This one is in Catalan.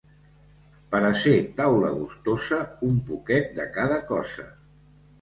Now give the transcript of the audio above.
Per a ser taula gustosa, un poquet de cada cosa.